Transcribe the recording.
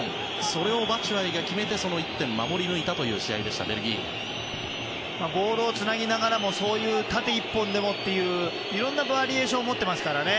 それをバチュアイが決めてその１点を守り抜いたというボールをつなぎながらもそういう縦１本でもっていういろんなバリエーションを持ってますからね。